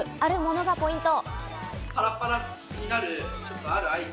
あるものがポイント。